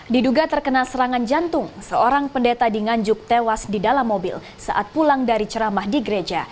diduga terkena serangan jantung seorang pendeta di nganjuk tewas di dalam mobil saat pulang dari ceramah di gereja